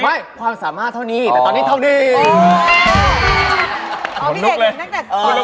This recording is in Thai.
ความสามารถเท่านี้แต่ตอนนี้เท่าดี